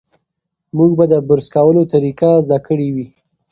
موږ به د برس کولو طریقه زده کړې وي.